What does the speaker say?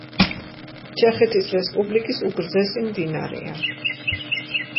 ჩეხეთის რესპუბლიკის უგრძესი მდინარეა.